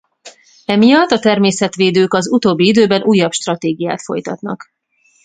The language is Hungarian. Emiatt a természetvédők az utóbbi időben újabb stratégiát folytatnak.